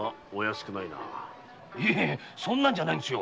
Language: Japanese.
そんなんじゃないんですよ。